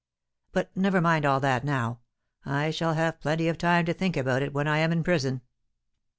"But never mind all that now. I shall have plenty of time to think about it when I am in prison."